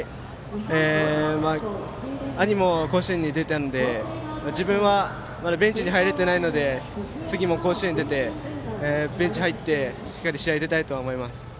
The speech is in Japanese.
兄も甲子園に出たので自分はまだベンチに入れてないので次も甲子園に出てベンチ入って、しっかり試合に出たいと思います。